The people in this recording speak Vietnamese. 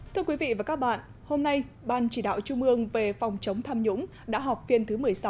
thưa quý vị và các bạn hôm nay ban chỉ đạo trung ương về phòng chống tham nhũng đã họp phiên thứ một mươi sáu